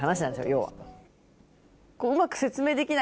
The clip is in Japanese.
要は。